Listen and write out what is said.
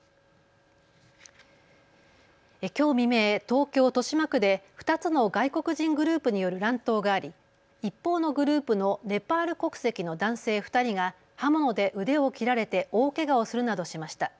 きょう未明、東京豊島区で２つの外国人グループによる乱闘があり一方のグループのネパール国籍の男性２人が刃物で腕を切られて大けがをするなどしました。